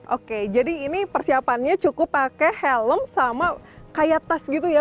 oke jadi ini persiapannya cukup pakai helm sama kayak tas gitu ya